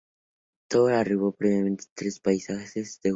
El Tour arribó brevemente en tres países de Europa.